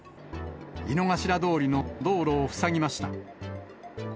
井の頭通りの道路を塞ぎました。